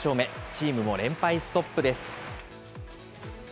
チームも連敗ストップです。